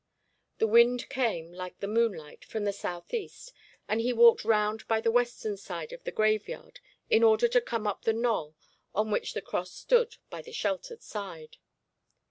The wind came, like the moonlight, from the south east, and he walked round by the western side of the graveyard in order to come up the knoll on which the cross stood by the sheltered side.